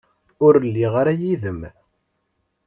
Ur lliɣ ara yid-m.